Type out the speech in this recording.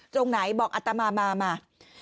ตรงไหนบอกอัตมามา